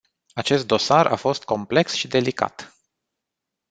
Acest dosar a fost complex și delicat.